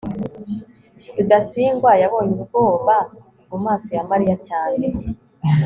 rudasingwa yabonye ubwoba mu maso ya mariya cyane